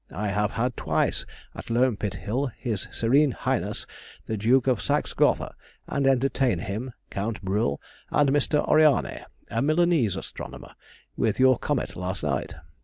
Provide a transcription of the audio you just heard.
I have had twice at Loam Pit Hill his serene highness the Duke of Saxe Gotha, and entertained him, Count Bruhl, and Mr. Oriani (a Milanese astronomer), with your comet last night.